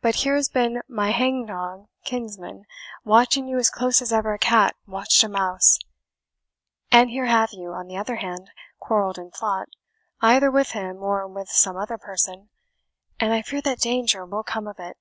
But here has been my hang dog kinsman watching you as close as ever cat watched a mouse; and here have you, on the other hand, quarrelled and fought, either with him or with some other person, and I fear that danger will come of it."